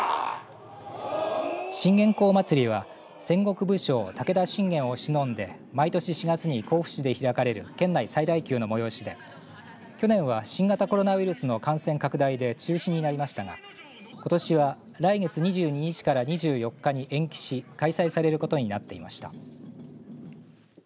信玄公祭りは戦国武将、武田信玄をしのんで毎年４月に甲府市で開かれる県内最大級の催しで去年は、新型コロナウイルスの感染拡大で中止になりましたがことしは来月２２日から２４日に延期し開催されることになっていました。